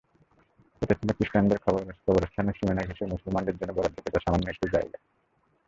ওটা ছিল খ্রিষ্টানদের কবরস্থানের সীমানা ঘেঁষে মুসলমানদের জন্য বরাদ্দকৃত সামান্য একটু জায়গা।